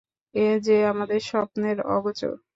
এ যে আমাদের স্বপ্নের আগোচর!